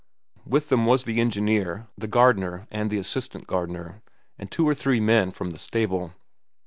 With them was the engineer, the gardener, and the assistant gardener, and two or three men from the stable.